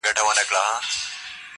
زه خو ځکه لېونتوب په خوښۍ نمانځم,